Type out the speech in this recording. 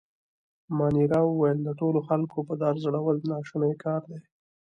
مانیرا وویل: د ټولو خلکو په دار ځړول ناشونی کار دی.